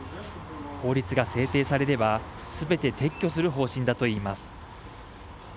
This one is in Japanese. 法律が制定されればすべて撤去する方針だといいます。